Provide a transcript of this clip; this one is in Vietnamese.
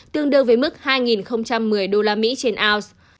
tương đương với mức hai một mươi usd trên ounce